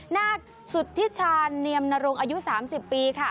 น่าสุธิชาเนียมนรงค์อายุสามสิบปีค่ะ